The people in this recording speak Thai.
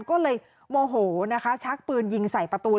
ก็เลยโมโหนะคะชักปืนยิงใส่ประตู